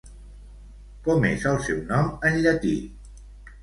Com és el seu nom en llatí?